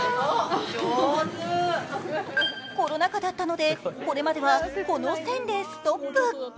コロナ禍だったので、これまではこの線でストップ。